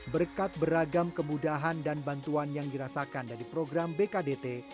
berkat beragam kemudahan dan bantuan yang dirasakan dari program bkdt